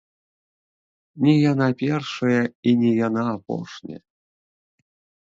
Не яна першая, і не яна апошняя!